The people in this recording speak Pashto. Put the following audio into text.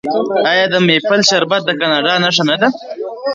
آیا د میپل شربت د کاناډا نښه نه ده؟